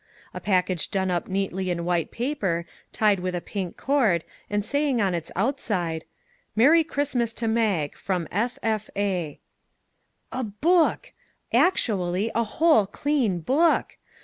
A package done up neatly in white paper, tied with a pink cord, and saying on its outside :" Merry Christmas to Mag. From F. F. A." A book! Actually, a whole clean book!